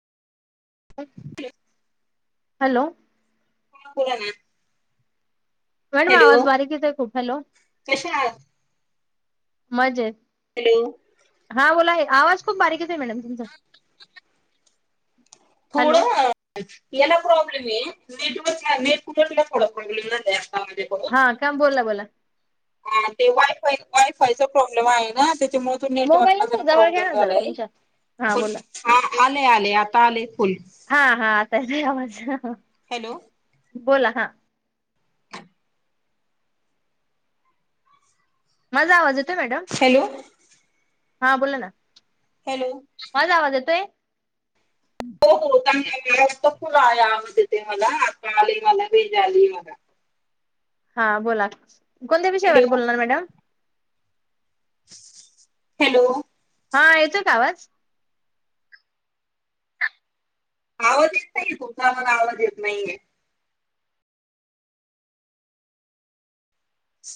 ह हॅलो हला ना मॅडम आवाज हॅलो खूप बारीक येत आहे हॅलो कशा आहात मजेत हॅलो हा बोलाय आवाज खूप बारीकच आहे मॅडम ता हॅलो थोडं याला प्रॉब्लेम ये मट नेटपुठटला कळपडल न हा का बोला बोला ते वाईट होई वायफायचा प्रॉब्लेम आहे ना म त मोबाईल नेटवर्कला अस जरा जवळ घ्या प्रॉब्लेम ना जरा झालाय तुमच्या हा बोला आले आले आता आले फुल हा हा आतायेत आहे आवाज हॅलो बोला हां मजा आवाज येतोय मॅडम हॅलो हा बोला ना हॅलो माझा आवाज येतोय हो आता व्यवस्थित आवाज येत आहे मला हा आता रेंज आली मला हा बोला कोणत्या विषयावर हॅलो बोलणार मॅडम हॅलो हा येतोय का आवाज आवाज येत नाहीये तुमचा मला आवाज येत नाहीये